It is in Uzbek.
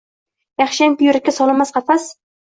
Yaxshiyam yurakka solinmas qafas.